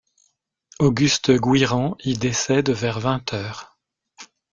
Auguste Gouirand y décède vers vingt heures.